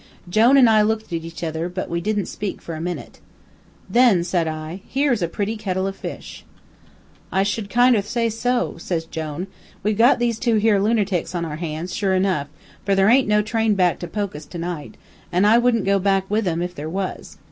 "Jone an' I looked at each other, but we didn't speak for a minute. "'Then,' says I, 'here's a pretty kittle o' fish.' "'I should kinder say so,' says Jone. 'We've got these here two lunertics on our hands, sure enough, for there ain't no train back to Pokus tonight, an' I wouldn't go back with 'em if there was.